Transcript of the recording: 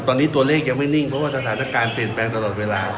ตอนนี้ตัวเลขยังไม่นิ่งเพราะว่าสถานการณ์เปลี่ยนแปลงตลอดเวลา